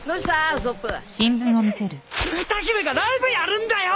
歌姫がライブやるんだよ！